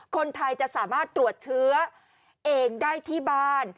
คนไทยจะสามารถตรวจเชื้อเองได้ที่บ้าน